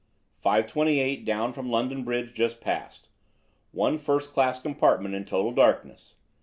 28 down from London Bridge just passed. One first class compartment in total darkness.